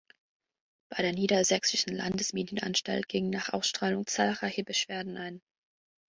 Bei der Niedersächsischen Landesmedienanstalt gingen nach Ausstrahlung zahlreiche Beschwerden ein.